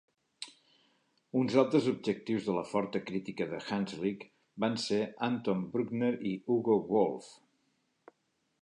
Uns altres objectius de la forta crítica de Hanslick van ser Anton Bruckner i Hugo Wolf.